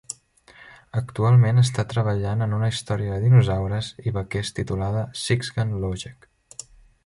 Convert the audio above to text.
Actualment està treballant en una història de dinosaures i vaquers titulada "Sixgun Logic".